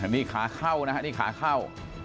นี่ขาเข้านะฮะนี่ขาเข้า